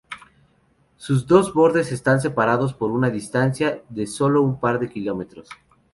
Sus dos bordes están separados por una distancia de solo un par de kilómetros.